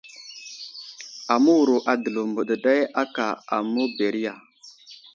Aməwuro a Dəlov mbeɗeɗay aka aməberiya.